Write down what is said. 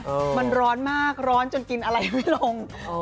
มันร้อนมากร้อนจนกินอะไรไม่ลง